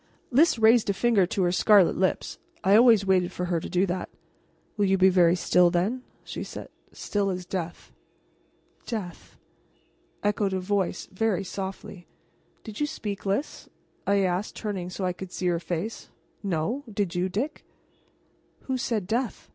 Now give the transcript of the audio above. Lys raised a finger to her scarlet lips. I always waited for her to do that. "Will you be very still, then?" she said. "Still as death." "Death," echoed a voice, very softly. "Did you speak, Lys?" I asked, turning so that I could see her face. "No; did you, Dick?" "Who said 'death'?"